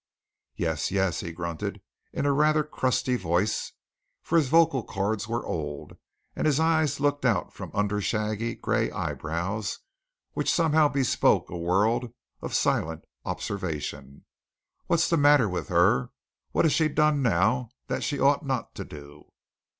"Yes, yes," he grunted, in a rather crusty voice, for his vocal cords were old, and his eyes looked out from under shaggy, gray eyebrows which somehow bespoke a world of silent observation. "What's the matter with her? What has she done now that she ought not to do?"